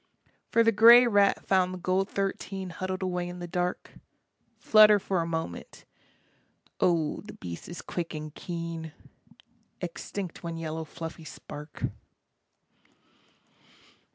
For the grey rat found the gold thirteen Huddled away in the dark, Flutter for a moment, oh the beast is quick and keen, Extinct one yellow fluffy spark.